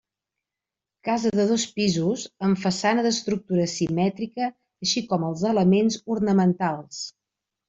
Casa de dos pisos amb façana d'estructura simètrica així com els elements ornamentals.